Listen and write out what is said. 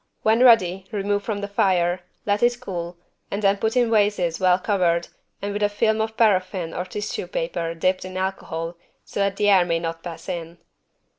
When ready, remove from the fire, let it cool, and then put in vases well covered and with a film of paraffine or tissue paper dipped in alcohol, so that the air may not pass in.